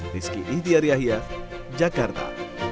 rizky ihtiariahia jakarta